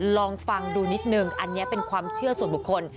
ลองฟังดูนิดนึงอันนี้เป็นความเชื่อส่วนบุคคล